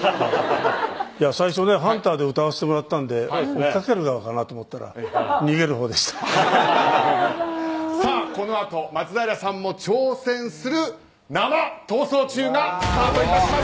最初ね、ハンターで出させてもらったのでそっちかなと思ったらこのあと松平さんも挑戦する生「逃走中」がスタートします。